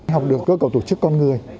học được cơ cầu tổ chức con người